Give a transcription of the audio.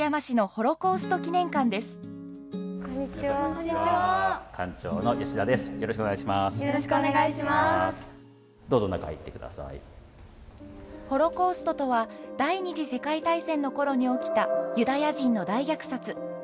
ホロコーストとは第二次世界大戦の頃に起きたユダヤ人の大虐殺。